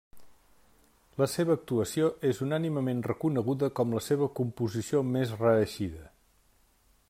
La seva actuació és unànimement reconeguda com la seva composició més reeixida.